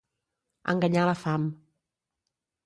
Enganyar la fam.